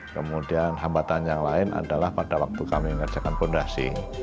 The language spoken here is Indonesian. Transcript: kemudian hambatan yang lain adalah pada waktu kami mengerjakan fondasi